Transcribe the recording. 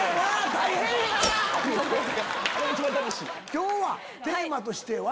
今日はテーマとしては？